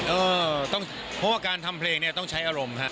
เออต้องเพราะว่าการทำเพลงเนี่ยต้องใช้อารมณ์ครับ